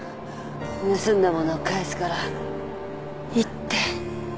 盗んだ物は返すから行って